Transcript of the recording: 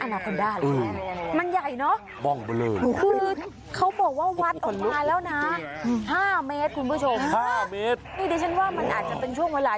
โง่นี้เป็นโง่ที่เราคุ้นเคยอยู่แล้วอึ่นะ